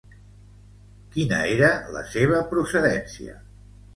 Quina era la seva procedència?